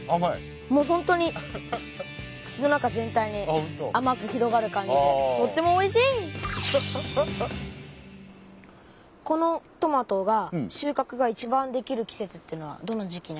もう本当に口の中全体にあまく広がる感じでとってもこのトマトが収穫がいちばんできる季節っていうのはどの時期なんですか？